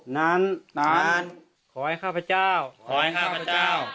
นานขอให้ข้าพเจ้าขอให้ข้าพเจ้า